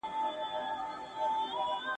ظاهر سپین وي په باطن توره بلا وي !.